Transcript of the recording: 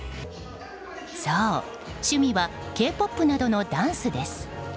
そう、趣味はＫ‐ＰＯＰなどのダンスです。